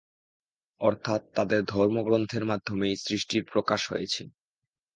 অর্থাৎ তাদের ধর্মগ্রন্থের মাধ্যমেই সৃষ্টির প্রকাশ হয়েছে।